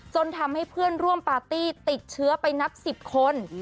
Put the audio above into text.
จนทำให้เพื่อนร่วมปาร์ตี้ติดเชื้อไปนับ๑๐คน